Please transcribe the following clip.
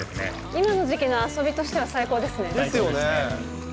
今の時期の遊びとしては最高ですよね。